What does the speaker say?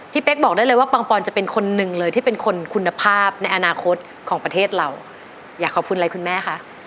เป๊กบอกได้เลยว่าปังปอนจะเป็นคนหนึ่งเลยที่เป็นคนคุณภาพในอนาคตของประเทศเราอยากขอบคุณอะไรคุณแม่คะ